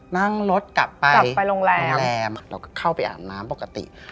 นั่งรถกลับไปโรงแรมก็เข้าไปอาบน้ำปกติ